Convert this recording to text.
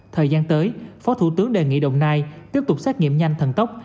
thời gian tới phó thủ tướng đề nghị đồng nai tiếp tục xét nghiệm nhanh thần tốc